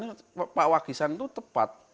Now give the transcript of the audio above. yang dilakukan pak wanggisan itu tepat